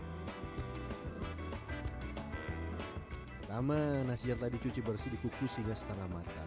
pertama nasi yang telah dicuci bersih dikukus hingga setengah matang